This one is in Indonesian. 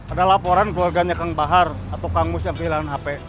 ada laporan keluarganya kang bahar atau kang mus yang kehilangan hp